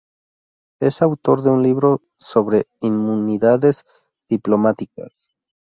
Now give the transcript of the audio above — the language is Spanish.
Es autor de un libro sobre inmunidades diplomáticas.